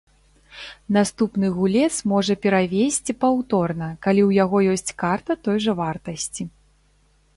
Наступны гулец можа перавесці паўторна, калі ў яго ёсць карта той жа вартасці.